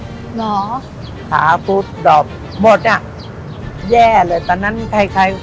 หรอขาปุดด่มหมดอ่ะแย่เลยแต่นั่นใคร